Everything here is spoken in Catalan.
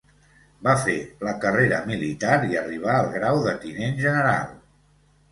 Va fer la carrera militar i arribà al grau de tinent general.